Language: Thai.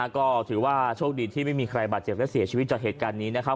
ก็ถือว่าโชคดีที่ไม่มีใครบาดเจ็บและเสียชีวิตจากเหตุการณ์นี้นะครับ